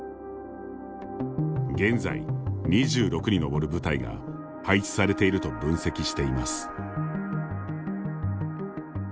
現在２６に上る部隊が配置されていると分析しています。